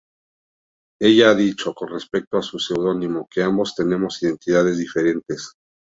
Ella ha dicho, con respecto a su seudónimo, que "ambos tenemos identidades diferentes.